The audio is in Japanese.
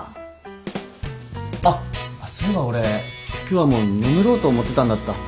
あっそういえば俺今日はもう眠ろうと思ってたんだった。